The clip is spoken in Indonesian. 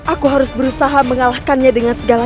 aku harus berusaha mengalahkannya dengan segala